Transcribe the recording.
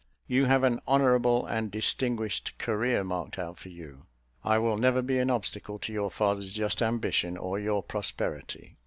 You have an honourable and distinguished career marked out for you; I will never be an obstacle to your father's just ambition or your prosperity.